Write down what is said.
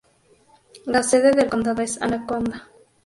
La sede del condado es Anaconda.